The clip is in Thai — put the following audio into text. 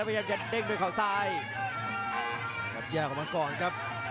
จังหวาดึงซ้ายตายังดีอยู่ครับเพชรมงคล